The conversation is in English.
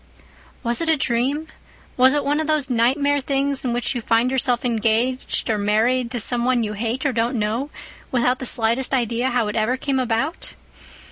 Was it a dream? Was it one of those nightmare things in which you find yourself engaged or married to some one you hate or don't know, without the slightest idea how it ever came about?